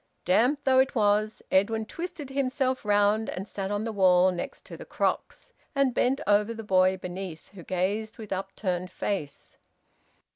Damp though it was, Edwin twisted himself round and sat on the wall next to the crocks, and bent over the boy beneath, who gazed with upturned face.